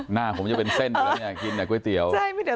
หน้าผมจะไปเป็นเส้นเหมือนกี้อย่างกันนะก๋วยเตี๋ยว